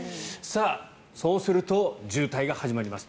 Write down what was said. そうすると、渋滞が始まります。